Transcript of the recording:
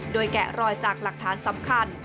โดยแกะรอยจากหลักฐานสำคัญ